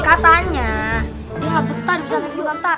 katanya dia gak betah di sana